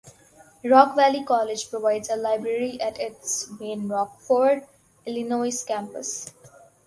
Rock Valley College provides a library at its main Rockford, Illinois Campus.